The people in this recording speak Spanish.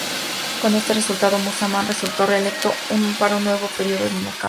Con este resultado, Musa Aman resultó reelecto para un nuevo período en el cargo.